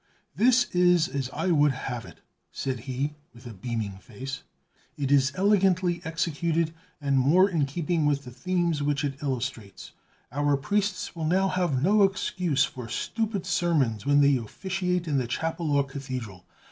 "This is as I would have it," said he, with a beaming face, "it is elegantly executed, and more in keeping with the themes which it illustrates. Our priests will now have no excuse for stupid sermons when they officiate in the chapel or cathedral.